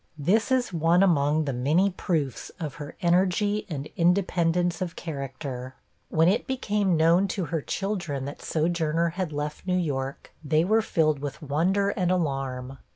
This is one among the many proofs of her energy and independence of character. When it became known to her children, that Sojourner had left New York, they were filled with wonder and alarm.